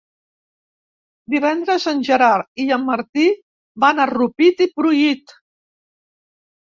Divendres en Gerard i en Martí van a Rupit i Pruit.